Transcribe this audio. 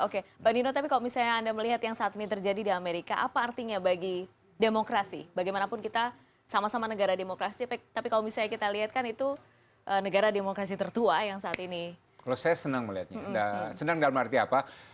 kalau saya senang melihatnya senang dalam arti apa